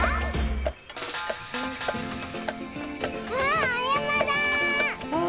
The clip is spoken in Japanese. あおやまだ！